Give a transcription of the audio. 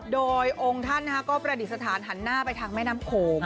โดยองค์ท่านก็ประดิษฐานหันหน้าไปทางแม่น้ำโขง